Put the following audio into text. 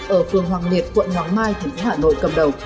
ở phường hoàng liệt quận hoàng mai tp hcm